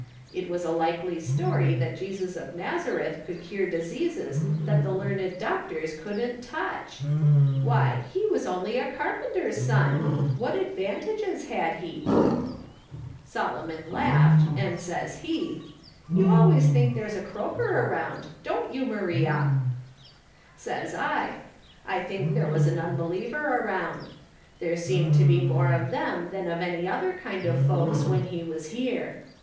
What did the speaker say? It was a likely story that Jesus of Nazareth could cure diseases that the learned doctors couldn't touch ! Why, he was only a carpenter's son ! What advantages had he ?'" Solomon laughed, and, says he :' You always think there's a croaker around, don^t you, Maria ?'" Says I :' I tliink there was an unbeliever around. There seemed to be more of them than of any other kind of folks when he was here.